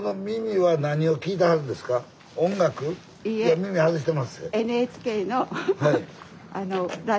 耳外してまっせ。